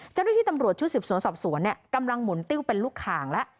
เจ้าหน้าที่ตำรวจชุดสืบสวนสอบสวนเนี่ยกำลังหมุนติ้วเป็นลูกข่างแล้ว